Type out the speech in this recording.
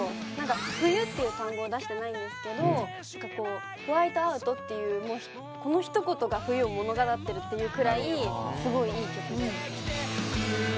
冬っていう単語を出してないんですけど『ホワイトアウト』っていうこの一言が冬を物語ってるっていうくらいすごいいい曲です。